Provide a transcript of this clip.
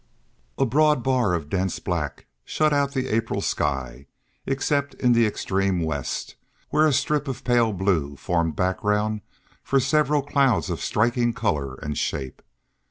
A broad bar of dense black shut out the April sky, except in the extreme west, where a strip of pale blue formed background for several clouds of striking color and shape.